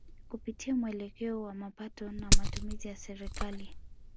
Kupitia muelekeo wa mapato na matumizi ya Serikali